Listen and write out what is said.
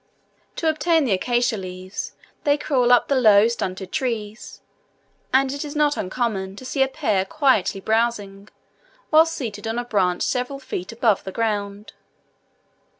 To obtain the acacia leaves they crawl up the low stunted trees; and it is not uncommon to see a pair quietly browsing, whilst seated on a branch several feet above the ground.